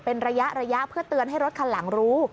เป็นระยะเพื่อเตือนให้รถคันหลังรู้